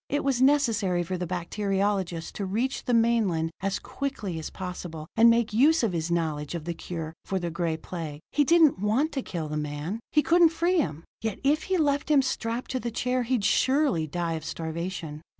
It was necessary for the bacteriologist to reach the mainland as quickly as possible, and make use of his knowledge of the cure for the Gray Plague. He didn't want to kill the man; he couldn't free him; yet if he left him strapped to the chair, he'd surely die of starvation.